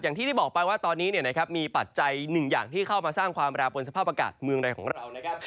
ที่ได้บอกไปว่าตอนนี้มีปัจจัยหนึ่งอย่างที่เข้ามาสร้างความแปรปนสภาพอากาศเมืองในของเรานะครับ